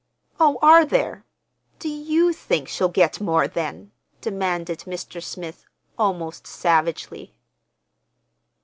"Oh, are there? Do you think—she'll get more, then?" demanded Mr. Smith, almost savagely.